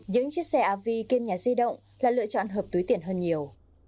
những chiếc xe rv kiêm nhà di động là lựa chọn hợp túi tiền hơn nhiều